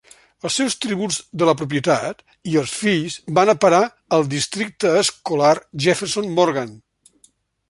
Els seus tributs de la propietat i els fills van a parar al districte escolar Jefferson Morgan.